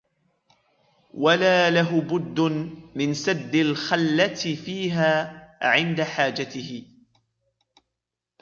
وَلَا لَهُ بُدٌّ مِنْ سَدِّ الْخَلَّةِ فِيهَا عِنْدَ حَاجَتِهِ